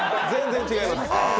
全然違いますよ。